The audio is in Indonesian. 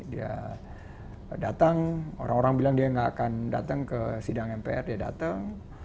dia datang orang orang bilang dia nggak akan datang ke sidang mpr dia datang